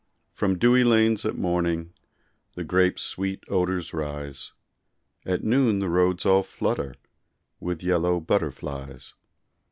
From dewy lanes at morning The grapes' sweet odors rise; At noon the roads all flutter With yellow butterflies.